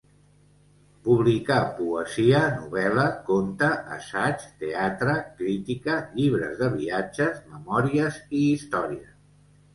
Publicà poesia, novel·la, conte, assaig, teatre, crítica, llibres de viatges, memòries i història.